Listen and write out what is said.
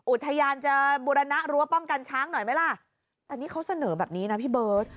อุทยานจะบูรณะรั้วป้องกันช้างหน่อยไหมล่ะแต่นี่เขาเสนอแบบนี้นะพี่เบิร์ต